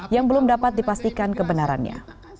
yang belum dapat dipastikan kebenarannya